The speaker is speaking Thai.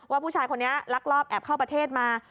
ว่าผู้ชายคนนี้ลักลอบแอบเข้าประเทศมา